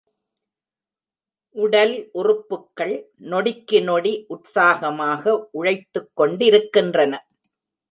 உடல் உறுப்புக்கள், நொடிக்குநொடி, உற்சாகமாக உழைத்துக் கொண்டிருக்கின்றன.